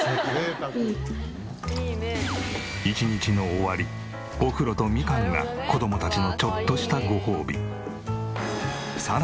１日の終わりお風呂とみかんが子供たちのちょっとしたごほうび。